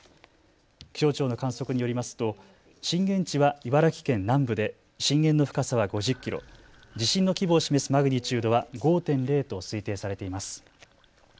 気象庁の観測によりますと震源地は茨城県南部で震源の深さは５０キロ、地震の規模を示すマグニチュードは５．０と推定されています。